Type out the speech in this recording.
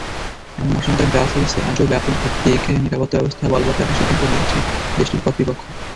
এমন আশঙ্কায় ব্রাসেলসে আজও ব্যাপকভিত্তিক নিরাপত্তাব্যবস্থা বলবৎ রাখার সিদ্ধান্ত নিয়েছে দেশটির কর্তৃপক্ষ।